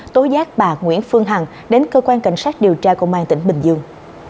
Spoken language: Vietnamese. tố giác bà nguyễn phương hằng đến cơ quan cảnh sát điều tra công an tỉnh bình dương